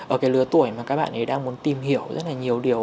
ở cái lứa tuổi mà các bạn ấy đang muốn tìm hiểu rất là nhiều điều